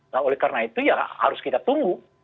nah oleh karena itu ya harus kita tunggu